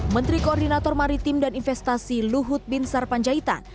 menteri koordinator maritim dan investasi luhut bin sarpanjaitan